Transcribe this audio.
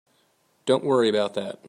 Don't worry about that.